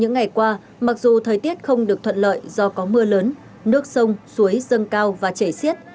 những ngày qua mặc dù thời tiết không được thuận lợi do có mưa lớn nước sông suối dâng cao và chảy xiết